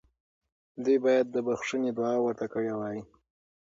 دوی باید د بخښنې دعا ورته کړې وای.